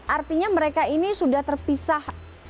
artinya mereka ini sudah terpisah